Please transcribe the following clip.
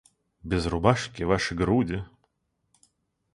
Без рубашки, ваши груди...